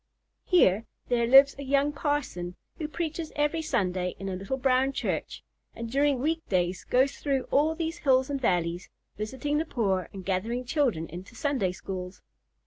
Here there lives a young parson, who preaches every Sunday in a little brown church, and during week days goes through all these hills and valleys, visiting the poor, and gathering children into Sunday schools.